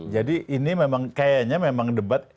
jadi ini memang kayaknya memang debat